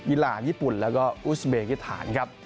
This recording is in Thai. หลานญี่ปุ่นแล้วก็อุสเบกิฐานครับ